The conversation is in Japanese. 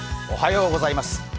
おはようございます。